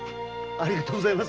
ありがとうございます。